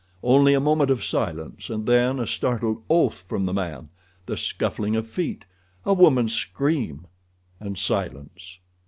Only a moment of silence, and then a startled oath from the man—the scuffling of feet—a woman's scream—and silence.